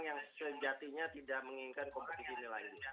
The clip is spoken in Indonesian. yang sejatinya tidak menginginkan kompetisi ini lagi